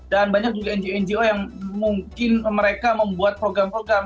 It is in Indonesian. dan banyak juga ngo ngo yang mungkin mereka membuat program program